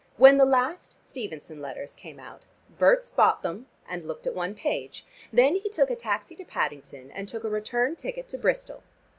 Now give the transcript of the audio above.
"When the last Stevenson letters came out, Berts bought them and looked at one page. Then he took a taxi to Paddington and took a return ticket to Bristol."